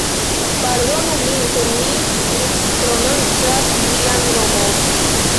Pardonu min se mi misprononcas vian nomon.